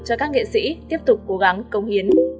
cho các nghệ sĩ tiếp tục cố gắng công hiến